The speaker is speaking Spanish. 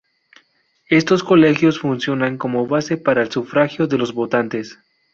Estos colegios funcionan como base para el sufragio de los votantes.